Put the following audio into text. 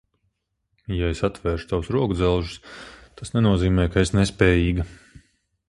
Ja es atvēršu tavus rokudzelžus, tas nenozīmē, ka esi nespējīga.